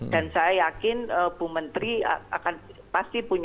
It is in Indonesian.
dan saya yakin bu menteri akan pasti punya kesempatan untuk mengembalikan ini